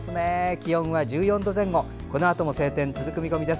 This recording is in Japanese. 気温は１４度前後このあとも晴天続く見込みです。